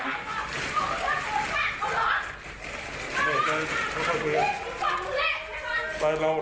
ไปเราออกไปก่อน